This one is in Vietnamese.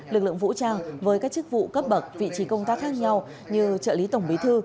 lực lượng vũ trang với các chức vụ cấp bậc vị trí công tác khác nhau như trợ lý tổng bí thư